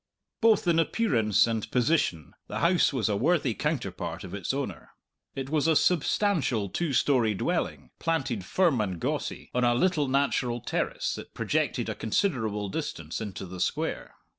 Both in appearance and position the house was a worthy counterpart of its owner. It was a substantial two story dwelling, planted firm and gawcey on a little natural terrace that projected a considerable distance into the Square.